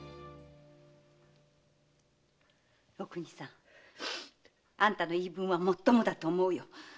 お邦さんあんたの言い分はもっともだと思うよ。